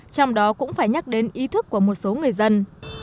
trong đó cũng phải nhắc đến ý thức của một số người dân